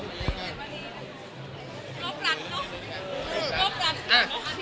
มีค้นฟอร์มเนี่ย